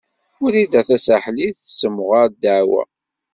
Wrida Tasaḥlit tessemɣer ddeɛwa.